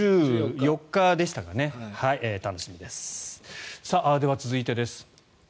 では、続いてです。